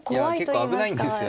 結構危ないんですよね。